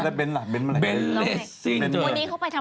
แล้วเบนล์ล่ะเบนล์เลสซิ่งเจอวันนี้เข้าไปทำอะไรคะ